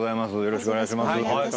よろしくお願いします。